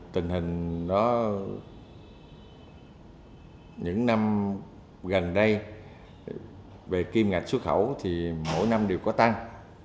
tình hình nó những năm gần đây về kim ngạch xuất khẩu thì mỗi năm đều có tăng